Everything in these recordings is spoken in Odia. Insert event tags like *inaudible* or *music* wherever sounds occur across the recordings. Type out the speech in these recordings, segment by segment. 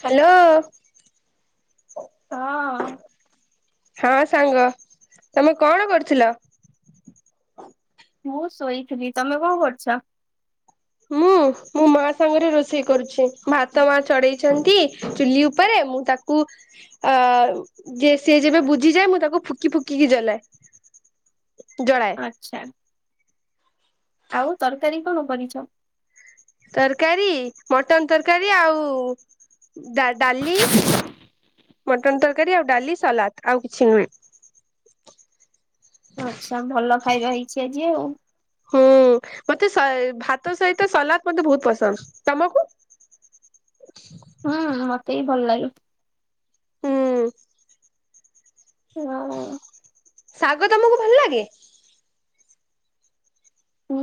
ହ୍ୟାଲୋ। ହଁ। ହଁ ସାଙ୍ଗ ତମେ କଣ କରୁଥିଲ? ମୁଁ ଶୋଇଥିଲି ତମେ କଣ କରୁଛ? ମୁଁ ମୋ ମା ସାଙ୍ଗରେ ରୋଷେଇ କରୁଛି ଭାତ ମା ଚଢେଇଛନ୍ତି ଚୁଲି ଉପରେ ମୁଁ ତା କୁ ଆ ଯେ ସେ ଯେବେ ବୁଝିଯାଏ ମୁଁ ତାକୁ ଫୁକି ଫୁକିକି ଜଲାଏ। ଜଳାଏ ଆଚ୍ଛା। ଆଉ ତରକାରୀ କଣ କରିଛ? ତରକାରୀ ମଟନ ତରକାରୀ ଆଉ ଡାଲି ମଟନ ତରକାରୀ ଆଉ ଡାଲି ସାଲାଦ ଆଉ କିଛି ନୁହେଁ। ଆଚ୍ଛା ଭଲ ଖାଇବା ହେଇଛି ଆଜି ଆଉ। ହୁଁ। ମତେ ସ ଭାତ ସହିତ ସଲାଦ ମତେ ବହୁତ ପସନ୍ଦ। ତମକୁ? ହୁଁ ମତେ ବି ଭଲ ଲାଗେ। ହୁଁ। *unintelligible* ଶାଗ ତମକୁ ଭଲ ଲାଗେ?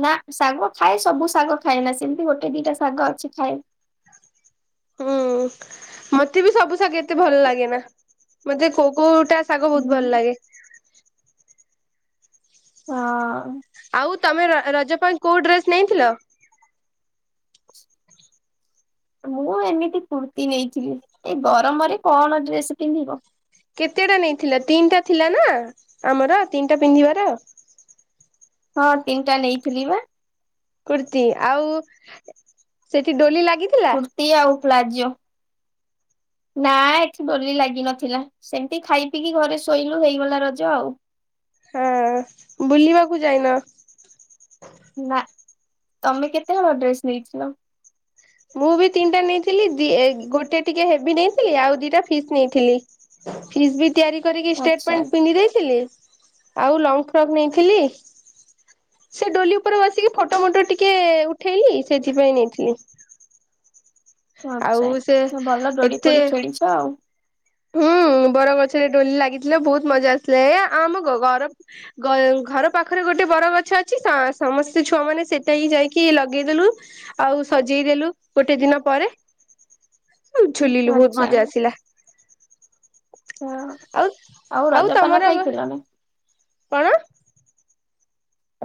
ନା ଶାଗ ଖାଏ ସବୁ ଶାଗ ଖାଏ ନା ସେମିତି ଗୋଟେ ଦିଟା ଶାଗ ଅଛି ଖାଏ। ହୁଁ ମତେ ବି ସବୁ ଶାଗ ଏତେ ଭଲ ଲାଗେନା। ମତେ କୋଉ କୋଉଟା ଶାଗ ବହୁତ ହୁଁ ଭଲ ଲାଗେ। ହଁ। ଆଉ ତମେ ରଜ ପାଇଁ କୋଉଁ ଡ୍ରେସ୍ ନେଇଥିଲ? ମୁଁ ଏମିତି କୁର୍ତ୍ତି ନେଇଥିଲି। ଏଇ ଗରମରେ କଣ ଡ୍ରେସ ପିନ୍ଧିବ। କେତେ ଟା ନେଇଥିଲା? ତିନିଟା ଥିଲା ନା ଆମର ତିନିଟା ପିନ୍ଧିବାର। ହଁ ତିନିଟା ନେଇଥିଲି ପା। କୁର୍ତ୍ତି। ଆଉ ସେଠି ଡୋଲି ଲାଗି କୁର୍ତି ଆଉ ପ୍ଲାଜୋ। ନା ଏଠି ଦୋଳି ଲାଗିିନଥିଲା। ସେମିତି ଖାଇ ପିଇକି ଘରେ ଶୋଇଲୁ ହେଇଗଲା ରଜ ଆଉ। ହଁ। ବୁଲିବାକୁ ଯାଇନ? ନା। ତମେ କେତେ ହଳ ଡ୍ରେସ ନେଇଥିଲ? ମୁଁ ବି ତିନିଟା ନେଇଥିଲି। ଦି ଗୋଟେ ଟିକେ ହେଭି ନେଇଥିଲି ଆଉ ଦିଟା ଥିକ୍ ନେଇଥିଲି। ଫିସ୍ ବି ତିଆରି କରିକି ଷ୍ଟେଟ୍ ଆଚ୍ଛା ପେଣ୍ଟ ପିନ୍ଧି ଦେଇଥିଲି। ଆଉ ଲଙ୍ଗ ଫ୍ରକ୍ ନେଇଥିଲି। ସେ ଡୋଲି ଉପରେ ବସେଇକି ଫଟୋ ଫଟ ଟିକେ ଉଠେଇଲି ସେଥିପାଇଁ ନେଇଥିଲି। ଆଉ ସେ *unintelligible* ଭଲ ଡୋଲି ଏତେ ଫୋଲି ଖେଳିଚ ଆଉ। ହୁଁ ବର ଗଛରେ ଡୋଲି ଲାଗିଥିଲେ ବହୁତ ମଜା ଆସିିଲା। ଏ ଆ ଆମ ଘର ଘର ପାଖରେ ଗୋଟେ ବରଗଛ ଅଛି ସମସ୍ତେ ଛୁଆ ମାନେ ସେଟା ହିଁ ଯାଇକି ଲଗେଇଦେଲୁ। ଆଉ ସଜେଇଦେଲୁ ଗୋଟେ ଦିନ ପରେ। ଆଉ ଝୁଲିଲୁ ବହୁତ ଆଚ୍ଛା ମଜା ଆସିଲା। ହଁ। ଆଉ ଆଉ ରଜପାନ ଖାଇଥିଲ ନା? କଣ?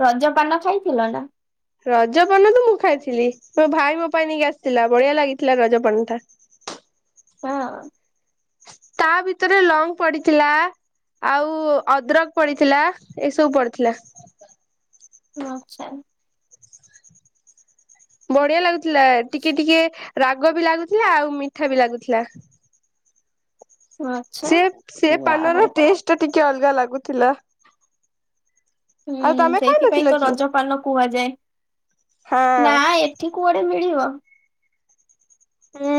ରଜପାନ ଖାଇଥିଲ ନା? ରଜପାନ ତ ମୁଁ ଖାଇଥିଲି। ମୋ ଭାଇ ମୋ ପାଇଁ ନେଇକି ଆସିଥିଲା ବଳିିଆ ଲାଗିଥିଲା ରଜପାନ ଟା। *inaudible* ହଁ। ତା ଭିତରେ ଲଙ୍ଗ ପଡିଥିଲା। ଆଉ ଅଦ୍ରକ ପଡିଥିଲା ଏସବୁ ପଡିଥିଲା। ଆଚ୍ଛା। ବଢିଆ ଲାଗୁଥିଲା ଟିକେ ଟିକେ ରାଗ ବି ଲାଗୁଥିଲା ଆଉ ମିଠା ବି ଲାଗୁଥିଲା। ଆଚ୍ଛା। ସେ ସେ ଯା ପାନର ହଉ ଟେଷ୍ଟ ଟିକେ ଅଲଗା ଲାଗୁଥିଲା। ଆଉ ହୁଁ ତମେ ଖାଇ ସେଇଥିପାଇଁ ନଥିଲ ତ କି? ରଜପାନ କୁହାଯାଏ। ହଁ ନା ଏଠି କୁଆଡେ ମିଳିବ। ହୁଁ।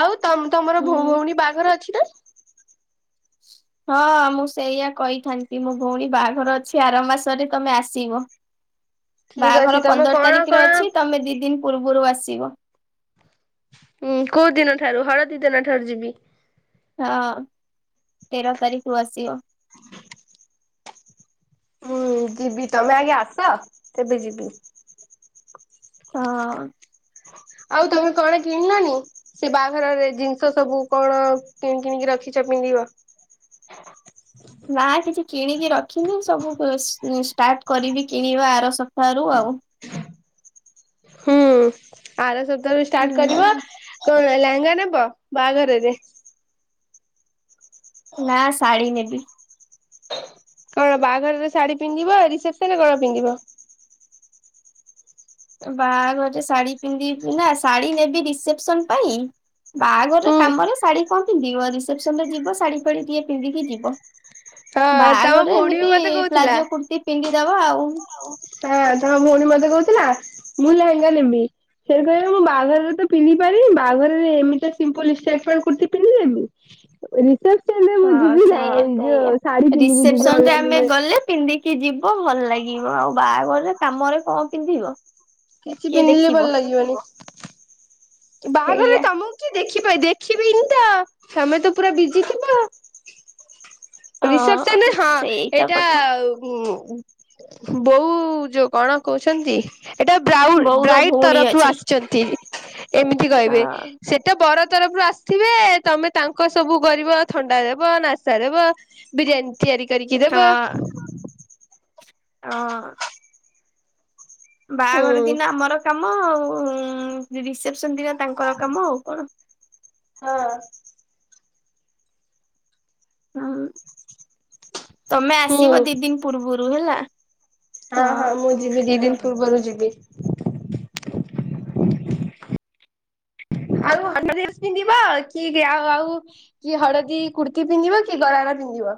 ଆଉ ତ ତମର ହୁଁ। ଭଉଣୀ ବାହାଘର ଅଛି ନା? ହଁ ମୁଁ ସେଇଆ କହିଥାନ୍ତି ମୋ ଭଉଣୀ ବାହାଘର ଅଛି ଆର ମାସରେ ତମେ ଆସିବ। ଠିକ ଅଛି ବାହାଘର ତମେ ପନ୍ଦର କଣ ତାରିଖରେ କଣ ଅଛି ତମେ ଦି ଦିନ ପୂର୍ବରୁ ଆସିବ। ଉଁ। କୋଉ ଦିନ ଠାରୁ ହଳଦୀ ଦିନ ଠାରୁ ଯିବି? ହଁ ତେର ତାରିଖ ରୁ ଆସିବ। ହୁଁ ଯିବି ତମେ ଆଗେ ଆସ ସେବେ ଯିବି। ହଁ। ଆଉ ତମେ କଣ କିଣିଲଣି? ସେ ବାହାଘରରେ ଜିନିଷ ସବୁ କଣ କିଣି କିଣିକି ରଖିଛ ପିନ୍ଧିବ? ନା କିଛି କିଣିକି ରଖିନି ସବୁ ଉ ଉଁ ଷ୍ଟାର୍ଟ କରିବି କିଣିବା ଆର ସପ୍ତାହରୁ ଆଉ। ହୁଁ ଆର ସପ୍ତାହରୁ ଷ୍ଟାର୍ଟ କରିବ ହୁଁ କଣ ଲେହେଙ୍ଗା ନେବ? ବାଆଘରରେ? ନା ଶାଢୀ ନେବି। କଣ ବାହାଘରରେ ଶାଢୀ ପିନ୍ଧିବ ରିସେପ୍ସନ ରେ କଣ ପିନ୍ଧିବ? ବାହାଘରରେ ଶାଡି ପିନ୍ଧିବି ନା ଶାଡି ନେବି ରିସେପ୍ସନ ପାଇଁ। ବାହାଘର ରେ ହୁଁ କାମରେ ଶାଢୀ କଣ ପିନ୍ଧିବ ରିସେପ୍ସନ ରେ ଯିବ ଶାଢୀ ଫାଡି ଟିକେ ପିନ୍ଧିକି ଯିବ। ହଁ ତମ ବାହାଘରରେ ଭଉଣୀ ବି ଏମିତି ମତେ କହୁଥିଲା ପ୍ଲାଜୋ କୁର୍ତ୍ତି ପିନ୍ଧିଦବା ଆଉ। ହଁ ତମ ଭଉଣୀ ମତେ କହୁଥିଲା ମୁଁ ଲେହେଙ୍ଗା ନେବି। ସେ କହିବେ ମୁଁ ବାଆଘରରେ ତ ପିନ୍ଧି ପାରିନି ବାହାଘରରେ ଏମିତିି ସିମ୍ପୁଲ ଷ୍ଟେଟ ପ୍ୟାଣ୍ଟ କୁର୍ତ୍ତି ପିନ୍ଧିଲେମି। ରିସେପ୍ସନ ରେ ମୁଁ ହଁ ଯିବି ନା ସେଇଆ। ଯୋଉ ଶାଢୀ ପିନ୍ଧିକି ଯିବି ଅନଲାଇନରେ। ଲେ ପିନ୍ଧିକି ଯିବ ଭଲ ଲାଗିବ ଆଉ ବାହାଘରରେ କାମରେ କଣ ପିନ୍ଧିବ। କିଛି କିଏ ପିନ୍ଧିଲେ ଦେଖିବ ଭଲ ଲାଗିବନି। ବାହାଘର ରେ ସେଇଆ ତମୁକୁ କିଏ ଦେଖି ପାଇ ଦେଖିବିିନି ତ ତମେ ତ ପୁରା ବିଜି ଥିବ। ରିସେପ୍ସନ ରେ ହଁ ସେଇଟା ଏଇଟା କଥା। ଉଁ ବୋଉ ଯୋଉ କଣ କହୁଛନ୍ତି ଏଇଟା ବୋଉର ବ୍ରାଉ-ବ୍ରାଇଟ୍ ଭଉଣୀ ତରଫରୁ ଅଛି ଆସିଚନ୍ତି। ଏମିତି କହିବେ ହଁ ସେ ତ ବର ତରଫରୁ ଆସ୍ ସିବେ ତମେ ତାଙ୍କ ସବୁ କରିବ ଥଣ୍ଡା ଦେବ ନାସ୍ତା ଦେବ ବିରିୟାନୀ ତିଆରି କରିକି ଦେବ। ହଁ ହଁ। ହୁଁ ବାହାଘର ଦିନ ଆମର କାମ ଆଉ ଉଁ ରିସେପ୍ସନ ଦିନ ତାଙ୍କର କାମ ଆଉ କଣ। ହଁ। ହୁଁ ହୁଁ ତମେ ହୁଁ ଆସିବ ଦି ଦିନ୍ ପୂର୍ବରୁ ହେଲା। ହଁ ହଁ ମୁଁ ଯିବି ଦି ଦିନ୍ ପୂର୍ବରୁ ଯିବି। ଆଉ *inaudible* ପିନ୍ଧିବ କି ଆଉ ଆଉ କି ହଳଦୀ କୁର୍ତ୍ତି ପିନ୍ଧିବ କି ଗଳାର ପିନ୍ଧିବ?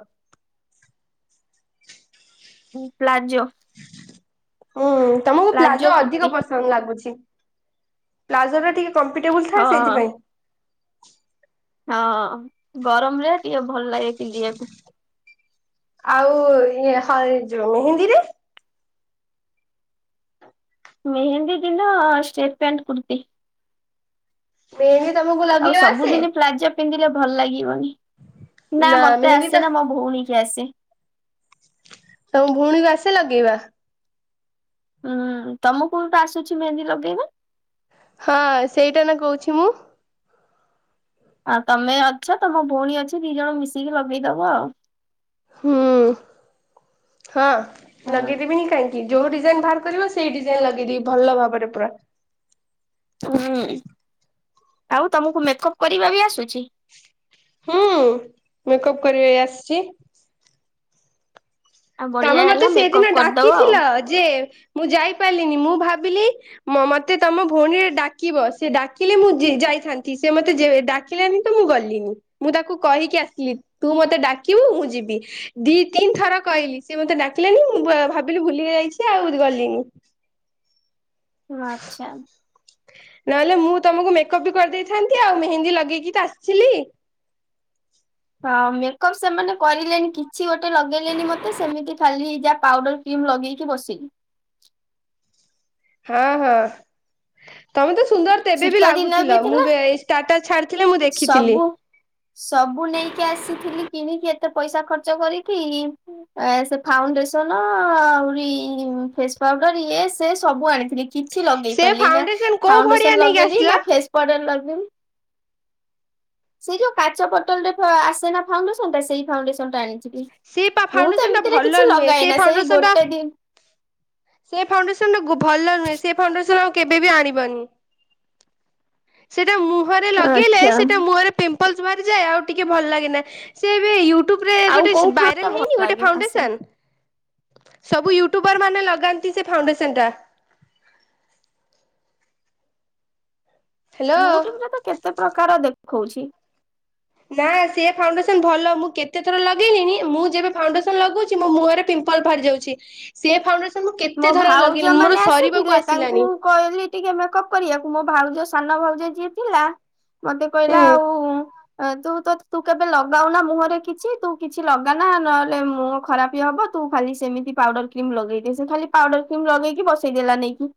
ହୁଁ ପ୍ଲାଜୋ। ହୁଁ ତମୁକୁ ପ୍ଲାଜୋ ଅଧିକ ପସ ନ୍ଦ ଲାଗୁଛି ପ୍ଲାଜୋ ଟା ଟିକେ କମ୍ଫିଟେବୁଲ ହଁ ଥାଏ ସେଇଥିପାଇଁ। ହଁ ଗରମରେ ଟିକେ ଭଲ ଲାଗେ ପିନ୍ଧିବାକୁ। ଆଉ ଇଏ ହ ଯୋଉ ମେହେନ୍ଦୀ ରେ? ମେହେନ୍ଦୀ ଦିନ ଷ୍ଟେଟ ପ୍ୟାଣ୍ଟ କୁର୍ତ୍ତି। ମେହେନ୍ଦୀ ତମୁକୁ ଲ ଆଉ ସବୁଦିନି ପ୍ଲାଜୋ ପିନ୍ଧିଲେ ଭଲ ଲାଗିବନି ନା ମତେ ମେହେନ୍ଦୀ ତ ଆସେନା ମୋ ଭଉଣୀ କି ଆସେ। ତମ ଭଉଣୀକୁ ଆସେ ଲଗେଇବା? ହଁ ତମୁକୁ ବି ତ ଆସୁଛି ମେହେନ୍ଦୀ ଲଗେଇବା? ହଁ ସେଇଟା ନା କହୁଛି ମୁଁ। ଆଉ ତମେ ଅଛ ତମ ଭଉଣୀ ଅଛି ଦି ଜଣ ମିଶିକି ଲଗେଇଦବ ଆଉ। ହୁଁ ହଁ ଆଉ। ଲଗେଇ ଦେବିନି କାହିଁକି। ଯୋଉ ଡିଜାଇନ୍ ବାହାର କରିବ ସେଇ ଡିଜାଇନ୍ ଲଗେଇ ଦେବି ଭଲ ଭାବରେ ପୁରା। ହୁଁ ଆଉ ତମୁକୁ ମେକଅପ୍ କରିବା ବି ଆସୁଛି? ହୁଁ ମେକଅପ କରିବା ବି ଆସୁଚି। ଆଉ ବଢିଆ ତମେ ମତେ ହେଲା ମେକଅପ୍ ସେଇଦିନ କରିଦବ ଆଉ। ଡାକିଥିଲ ଯେ ମୁଁ ଯାଇ ପାରିଲିନି ମୁଁ ଭାବିଲି ମ-ମତେ ତମ ଭଉଣୀରେ ଡାକିବ ସିଏ ଡାକିଲେ ମୁଁ ଯି-ଯାଇଥାନ୍ତି ସେ ମତେ ଯେ ଏ ଡା ଡିଲାନି ତ ମୁଁ ଗଲିନି ମୁଁ ତାକୁ କହିକି ଆସିଲି ତୁ ମତେ ଡାକିବୁ ମୁଁ ଯିବି। ଦି ତିନି ଥର କହିଲି ସିଏ ମତେ ଡାକିଲାନି ମୁଁ ବ-ଭାବିଲି ଭୁଲି ଯାଇଛି ଆଉ ଗଲିନି। ଓହୋ ଆଚ୍ଛା। ନହେଲେ ମୁଁ ତମୁକୁ ମେକଅପ୍ ବି କରିଦେଇଥାନ୍ତି ଆଉ ମେହେନ୍ଦୀ ଲଗେଇକି ତ ଆସଥିଲି। ହଁ ମେକଅପ୍ ସେମାନେ କରିଲେଣି କିଛି ଗୋଟେ ଲଗେଇଲେନି ମତେ ସେମିତି ଖାଲି ଯା ପାଉଡର୍ କ୍ରିମ୍ ଲଗେଇକି ବସିଲି। ହଁ -ହଁ ତମେ ତ ସୁନ୍ଦର୍ ତେବେ ବି ଶୀତ ଦିନ ବି ଲାଗୁଥିଲ ମୁଁ‌ ଥିଲା ବେ- ଷ୍ଟାଟସ୍ ଛାଡି ସବୁ ସବୁ ନେଇକି ଆସିଥିଲି କିଣିକି ଏତେ ପଇସା ଖର୍ଚ୍ଚ କରିକି ଏ ସେ ଫାଉଣ୍ଡେସନ ଆହୁରି ଫେସ୍ ପାଉଡର ଇଏ ସେ ସବୁ ଆଣିଥିଲି କିଛି ଲଗେଇ ସେ ପାରିଲି ନା ଫାଉଣ୍ଡେସନ କୋଉ ଭଡିଆ ଫାଉଣ୍ଡେସନ ନେଇକି ଲଗେଇଲି ଆସିଲ ନା ଫେସ୍ ପାଉଡର୍ ଲଗେଇଲି ସେଇ ଯଉ କାଚ ବଟଲ୍ ରେ ଆସେ ନା ଫାଉଣ୍ଡେସନ୍ ଟା ସେଇ ଫାଉଣ୍ଡେସନ ଟା ଆଣି ସେ ପା ମୁଁ ତ ଫାଉଣ୍ଡେସନ ଟା ଏମିତିରେ ଭଲ କିଛି ନୁହେଁ ସେ ଲଗାଏନା ସେଇ ଫାଉଣ୍ଡେସନ ଟା ଗୋଟେ ଦିନ୍ ସେ ଫାଉଣ୍ଡେସନ ଗୁ- ଭଲ ନୁହେଁ ସେ ଫାଉଣ୍ଡେସନ୍ ଆଉ କେବେ ବି ଆଣିବନି। ସେଟା ମୁହଁରେ ଲଗେଇଲେ ଆଚ୍ଛା ସେଟା ମୁହଁରେ ପିମ୍ପ୍ ଲ୍ସ ବାହାରିଯାଏ ଆଉ ଟିକେ ଭଲ ଲାଗେନା ସେ ଏବେ ୟୁଟୁବ୍ ରେ ଆଉ ଗୋଟେ କୋଉ ସ୍ ଫା ବାଇରାଲ୍ ଭଲ ହେଇନି ଗୋଟେ ଲାଗେ ଆସେ ଫାଉଣ୍ଡେସନ୍? ସବୁ ୟୁଟ୍ୟୁବର ମାନେ ଲଗାନ୍ତି ସେ ଫାଉଣ୍ଡେସନ୍ ଟା। ହ୍ୟାଲୋ। ୟୁଟ୍ୟୁବ୍ ରେ ତ କେତେ ପ୍ରକାର ଦେଖଉଚି। ନା ସେ ଫାଉଣ୍ଡେସନ୍ ଭଲ ମୁଁ କେତେ ଥର ଲଗେଇଲିନି ମୁଁ ଯେବେ ଫାଉଣ୍ଡେସନ୍ ଲଗଉଚି ମୋ ମୁହଁରେ ପିମ୍ପ୍ ମ୍ପଲ୍ ବାହାରି ଯାଉଚି ସେ ଫାଉଣ୍ଡେସନ୍ ମୁଁ ମୋ କେତେ ଥର ଭାଉଜ ଲଗେଇଲିଣି ମାନେ ମୋର ସରିବାକୁ ଆସିଥିଲେ ତାଙ୍କୁ ଆସିଲାଣି କହିଲି ଟିକେ ମେକଅପ୍ କରିବାକୁ ମୋ ଭାଉଜ ସାନ ଭାଉଜ ଯିଏ ଥିଲା ମତେ କହିଲା ହୁଁ ଆଉ ତୁ ତ -ତୁ କେବେ ଲଗାଉନା ମୁହଁରେ କିଛି ତୁ କିଛି ଲଗାନା ନହେଲେ ମୁହଁ ଖରାପ୍ ବି ହବ ତୁ ଖାଲି ସେମିତି ପାଉଡର୍ କ୍ରିମ୍ ଲଗେଇଦେ ଖାଲି ପାଉଡର୍ କ୍ରିମ୍ ଲଗେଇକି ବସେଇଦେଲା ନେଇକି।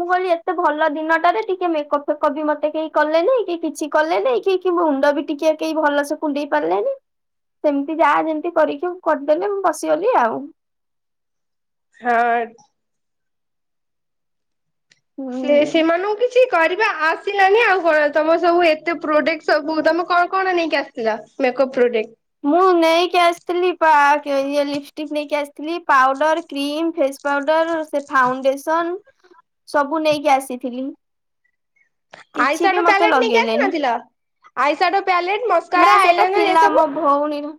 ମୁଁ କହିଲି ଏତେ ଭଲ ଦିନଟାରେ ଟିକେ ମେକପ୍ ଫେକପ୍ ବି ମତେ କେହି କଲେନି କି କିଛି କଲେନି କି କି ମୁଣ୍ଡ ବି ଟିକେ କେହି ଭଲସେ କୁଣ୍ଡେଇ ପାରିଲେନି ସେମିତି ଯାହା ଯେମିତି କରିକି ମୁ- କରିଦେଲେ ମୁଁ ବସିିଗଲି ଆଉ। ହଁ ତ୍। ସେ ହୁଁ। ସେମାନଙ୍କି କିଛି କରିବା ଆସିଲାନି ଆଉ କଣ ତମ ସବୁ ଏତେ ପ୍ରଡକ୍ଟିସ୍ ସବୁ ତମେ କଣ କଣ ନେଇକି ଆସି ଥିଲା ମେକପ୍ ପ୍ରୋଡ଼େକ୍ଟ୍। ମୁଁ ନେଇକି ଆସିଥିଲି ପା-କି-ଇଏ ଲିପଷ୍ଟିକ୍ ନେଇକି ଆସିଥିଲି ପାଉଡର୍, କ୍ରିମ୍, ଫେସ୍ ପାଉଡର୍ ସେ ଫାଉଣ୍ଡେସନ୍ ସବୁ ନେଇକି ଆସିଥିଲି। କିଛି ବି ଆଇସାଡୋ ମତେ ପ୍ୟାଲେଟ୍ ନେଇକି ଲଗେଇଲେନି ଆସିନଥିଲ‌? ଆଇସାଡୋ ପ୍ୟାଲେଟ୍, ମସ୍କାରା, ଆଇଲାଇନର୍ ଏସବୁ? ହଁ -ମୁଁ ନେଇନୁ।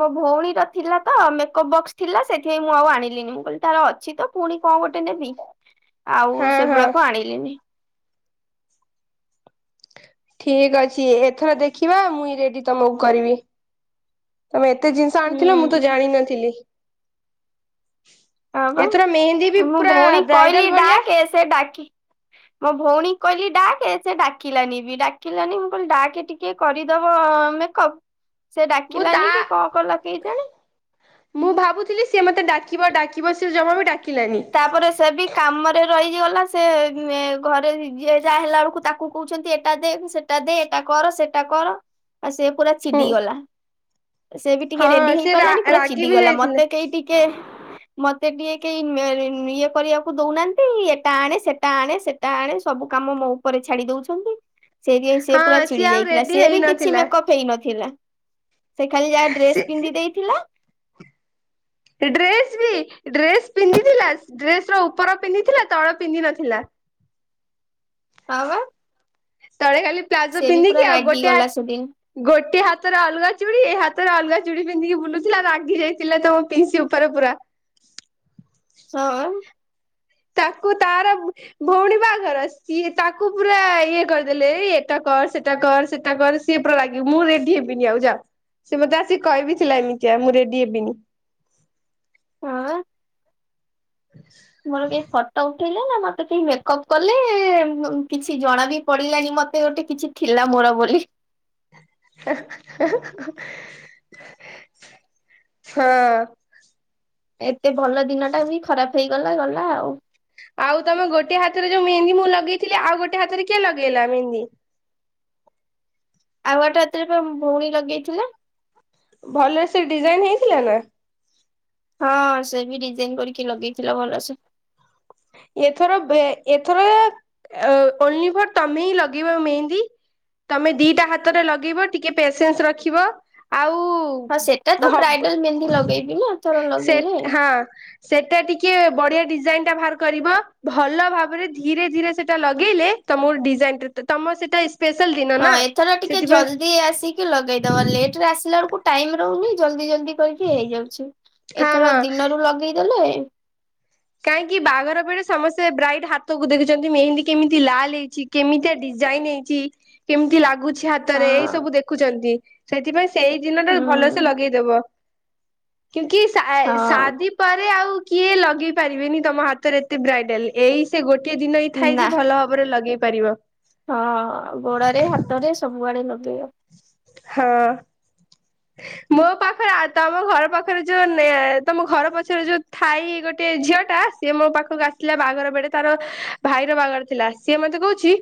ମ ଭଉଣୀର ଥିଲା ତ ମେକଅପ୍ ବକ୍ସ୍ ଥିଲା ସେଥିପାଇଁ ମୁଁ ଆଉ ଆଣିଲିନି ମୁଁ କହିଲି ତାର ଅଛି ତ ପୁଣି କଁ ଗୋଟେ ନେବି। ଆଉ ହଁ ହଁ ସେଗୁଡାକ ଆଣିଲିନି। ଠିକ୍ ଅଛି ଏଥର ଦେଖିବା ମୁଇଁଁ ରେଡି ତମକୁ କରିବି। ତମେ ଏତେ ଜିନିଷ ଆଣିଥିଲ ମୁଁ ତ ହୁଁ ଜାଣିନଥିଲି। ହଁ ପା ଏଥର ମେହେନ୍ଦୀ ବି ମୁଁ ପୁରା ଭଉଣୀ କି କହିଲି ବ୍ରାଇଡାଲ ଭଳିଆ ଡାକେ ସେ ଡାକି ମୋ ଭଉଣୀ କହିଲି ଡାକେ ସେ ଡାକିଲାନି ବି ଡାକିଲାନି ମୁଁ କହିଲି ଡାକେ ଟି କେ କରିଦବ ମେକପ୍ ସେ ମୁଁ ତା ଡାକିଲାନି କି କଣ କଲା କେଜାଣି। ମୁଁ ଭାବୁଥିଲି ସିଏ ମତେ ଡାକିବ ଡାକିବ ସେ ଜମା ବି ଡାକିଲାନି। ତାପରେ ସେ ବି କାମରେ ରହିଗଲା ସେ ଏ-ଘରେ ଯିଏ ଯାହା ହେଲା ବେଳକୁ ତାକ୍ କୁ କହୁଛନ୍ତି ଏଟା ଦେ ସେଟା ଦେ ଏଟା କର ସେଟା କର। ଆ ସେ ପୁରା ହୁଁ ଚିଡିଗଲା ସେ ବି ଟିକେ ରେଡି ହଁ ହେଇ ସେ ରା ପାରିଲାନି ପୁରା ରାଗି ବି ଚିଡିଗଲା ଯାଇଥିଲେ ମତେ କେହି ଟି କେ ମତେ ଟିକେ କେହି ଉଁ -ଉଁ-ଇଏ କରିବାକୁ ଦଉନାହାନ୍ତି ଏଟା ଆଣେ ସେଟା ଆଣେ ସେଟା ଆଣେ ସବୁ କାମ ମୋ ଉପରେ ଛାଡି ଦଉଛନ୍ତି ସେଟିଗେ ସେ ପୁରା ହଁ ସିଏ ଚିଡି ଆଉ ଯାଇଥିଲା ରେଡି ସେ ବି କିଛି ହେଇନଥିଲା ମେକପ୍ ହେଇନଥିଲା ସେ ଖାଲି ଯାହା ସେ ଡ୍ରେସ୍ ପିନ୍ଧି ଦେଇଥିଲା ଡ୍ରେସ ବି ଡ୍ରେସ ପିନ୍ଧିଥିଲା ଡ୍ରେସ ର ଉପର ପିନ୍ଧିଥିଲା ତଳ ପିନ୍ଧ ନଥିଲା। ହଁ ବା ତଳେ ଖାଲି ପ୍ଲାଜୋ ସେ ବି ପୁରା ପିନ୍ଧିକି ଆଉ ରାଗି ଗୋଟେଆ ଗଲା ସେଦିନ ଗୋଟେ ହାତରେ ଅଲଗା ଚୁଡ଼ି ଏଇ ହାତରେ ଅଲଗା ଚୁଡ଼ି ପିନ୍ଧିକି ବୁଲୁଥିଲା ରାଗି ଯାଇଥିଲା ତମ ପିସି ଉପରେ ପୁରା। ହଁ ତାକୁ ତାର ବ ଭଉଣୀ ବାହାଘର ସିଏ ତାକୁ ପୁରା ଇଏ କରିଦେଲେ ଏଟା କର ସେଟା କର ସେଟା କର ସିଏ ପୁରା ଲାଗିବି ମୁଁ ରେଡି ହେବିନି ଆଉ ଯା ସେ ମତେ ଆସି କହିବିଥିଲା ଏମିତିଆ ମୁଁ ରେଡି ହେବିନି। ହଁ ହ ମୋର କେହି ଫଟୋ ଉଠେଇଲେ ନା ମତେ କେହି ମେକଅପ୍ କଲେ କିଛି ଜଣା ବି ପଡିଲାନି ମତେ ଗୋଟେ କିଛି ଥିଲା ମୋର ବୋଲି। ହେ ହେ ହଁ ଏତେ ଭଲ ଦିନ ଟା ବି ଖରାପ ହେଇଗଲା ଗଲା ଆଉ। ଆଉ ତମେ ଗୋଟେ ହାତରେ ଯୋଉ ମେହନ୍ଦି ମୁଁ ଲଗେଇଥିଲି ଆଉ ଗୋଟେ ହାତରେ କିଏ ଲଗେଇଲା ମେହନ୍ଦି। ଆଉ ଗଟେ ହାତରେ ପା ଭଉଣୀ ଲଗେଇଥିଲା। ଭଲରେ ସେ ଡିଜାଇନ ହେଇଥିଲା ନା? ହଁ ସେ ବି ଡିଜାଇନ କରିକି ଲଗେଇଥିଲା ଭଲସେ। ଏଥର ବେ ଏଥର ଓନ୍ଲି ଫର୍ ତମେ ହିଁ ଲଗେଇବ ମେହେନ୍ଦୀ ତମେ ଦିଟା ହାତରେ ଲଗେଇବ ଟିକେ ପେସେନ୍ସ ରଖିବ, ଆଉ ହଁ ସେଟା ତ ଭବ ବ୍ରାଇଡାଲ ମେହେନ୍ଦି ଲଗେଇବି ନା ଏଥର ସେଟ ଲଗେଇଲେ। ହଁ। ସେଟା ଟିକେ ବଢିଆ ଡିଜାଇନ ଟା ବାହାର କରିବ ଭଲ ଭାବରେ ଧୀରେ ଧୀରେ ସେଟା ଲଗେଇଲେ ତମ ଡିଜାଇନ ତମ ସେଟା ସ୍ପେଶାଲ ଦିନ ହଁ ନା ଏଥର ଟିକେ ସେଥିପାଇଁ ଜଲଦି ଆସିକି ଲଗେଇଦବ ଲେଟ ରେ ଆସିଲା ବେଳକୁ ଟାଇମ ରହୁନି। ଜଲଦି ଜଲଦି କରିକି ହେଇଯାଉଛି। ହଁ ଏଥର ହଁ ଦିନରୁ ଲଗେଇଦେଲେ କାହିଁକି ବାହାଘର ବେଳେ ସମସ୍ତେ ବ୍ରାଇଟ୍ ହାତକୁ ଦେଖୁଚନ୍ତି। ମେହେନ୍ଦୀ କେମିତି ଲାଲ ହେଇଚି। କେମିତିଆ ଡିଜାଇନ ହେଇଚି। କେମିତି ଲାଗୁଛି ହା ହାତରେ ଏଇ ହଁ ସବୁ ଦେଖୁଛନ୍ତି। ସେଥିପାଇଁ ସେଇ ଦିନ ଟା ହୁଁ ଭଲସେ ଲଗେଇଦବ। କ୍ୟୁଁକିି ସ ହଁ। ସାଦି ପରେ ଆଉ କିଏ ଲଗେଇ ପାରିବେନି ତମ ହାତରେ ଏତେ ବ୍ରାଇଡାଲ। ଏଇ ସେ ଗୋଟଏ ଦିନ ଏଇ ଥାଏ ନା ଯେ ଭଲ ଭାବରେ ଲଗେଇ ପାରିବ। ହଁ ଗୋଡରେ ହାତରେ ସବୁଆଡେ ଲଗେଇବ। ହଁ। ମୋ ପାଖରେ ଆ ତମ ଘର ପାଖରେ ଯୋଉ ନେ ତମ ଘର ପଛରେ ଯୋଉ ଥାଇ ଗୋଟେ ଝିଅ ଟା। ସିଏ ମୋ ପାଖକୁ ଆସଥିଲା ବାହାଘର ବେଡେ ତାର ଭାଇର ବାହାଘର ଥିଲା ସିଏ ମତେ କହୁଛି